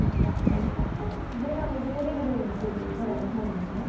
それがムジカリブロについて書かれた本ですね？